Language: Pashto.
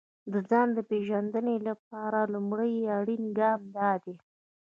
د ځان پېژندنې لپاره لومړی اړين ګام دا دی.